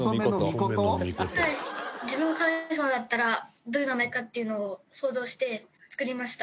自分が神様だったらどういう名前かっていうのを想像して作りました。